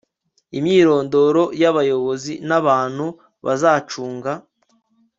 Imyirondoro y abayobozi n abantu bazacunga